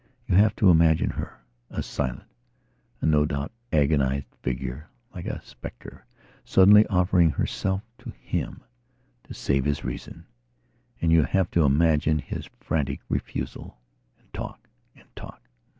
You have to imagine her, a silent, a no doubt agonized figure, like a spectre, suddenly offering herself to himto save his reason! And you have to imagine his frantic refusaland talk. And talk!